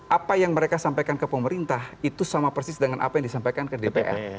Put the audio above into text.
apa yang mereka sampaikan ke pemerintah itu sama persis dengan apa yang disampaikan ke dpr